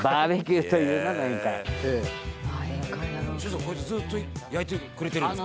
こうやってずっと焼いてくれてるんですか？」